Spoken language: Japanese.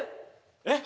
えっ？